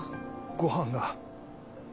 ご飯が。